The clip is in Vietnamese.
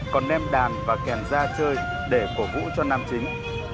còn đem đàn và kèn ra chơi để cổ vũ cho nam chính